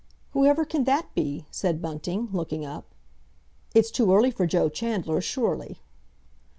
"Whoever can that be?" said Bunting, looking up. "It's too early for Joe Chandler, surely."